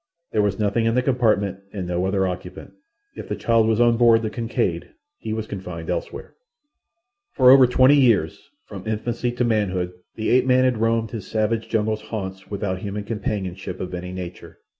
There was nothing in the compartment, and no other occupant. If the child was on board the Kincaid he was confined elsewhere. For over twenty years, from infancy to manhood, the ape man had roamed his savage jungle haunts without human companionship of any nature.